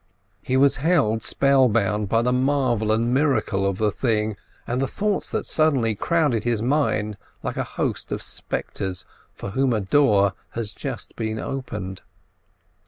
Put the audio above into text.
He was held spellbound by the marvel and miracle of the thing and the thoughts that suddenly crowded his mind like a host of spectres for whom a door has just been opened.